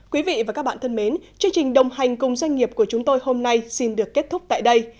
quý vị và các bạn thân mến chương trình đồng hành cùng doanh nghiệp của chúng tôi hôm nay xin được kết thúc tại đây